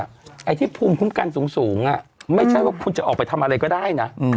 ไอ้ที่ภูมิคุ้มกันสูงไม่ใช่ว่าคุณจะออกไปทำอะไรก็ได้นะ